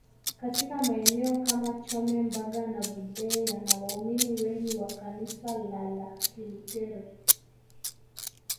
Katika maeneo kama Chome Mbaga na Vudee yana waumini wengi wa kanisala la Kiluteri